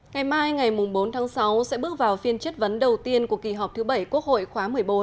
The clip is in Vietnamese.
ngày mai ngày bốn tháng sáu sẽ bước vào phiên chất vấn đầu tiên của kỳ họp thứ bảy quốc hội khóa một mươi bốn